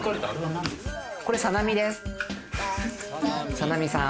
サナミさん